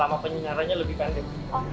sama penyinarannya lebih pendek